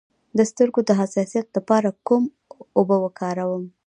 د سترګو د حساسیت لپاره کومې اوبه وکاروم؟